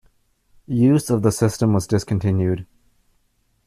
Use of the system was discontinued.